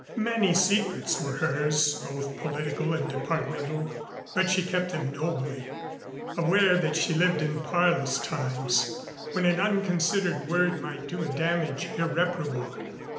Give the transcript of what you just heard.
Many secrets were hers, both political and departmental, but she kept them nobly, aware that she lived in parlous times, when an unconsidered word might do a damage irreparable.